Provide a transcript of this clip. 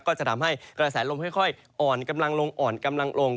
ก็จะทำให้กระแสลมค่อยอ่อนกำลังลง